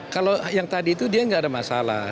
kalau yang tadi itu dia nggak ada masalah